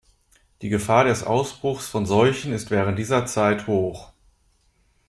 Die Gefahr des Ausbruchs von Seuchen ist während dieser Zeit hoch.